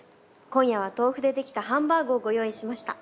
今夜は豆腐で出来たハンバーグをご用意しました。